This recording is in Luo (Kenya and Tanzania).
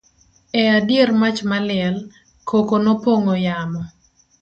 e dier mach maliel, koko nopong'o yamo